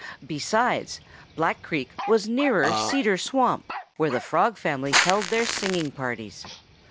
Besides, Black Creek was nearer Cedar Swamp, where the Frog family held their singing parties.